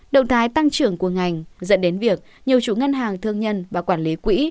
động thái tăng trưởng của ngành dẫn đến việc nhiều chủ ngân hàng thương nhân và quản lý quỹ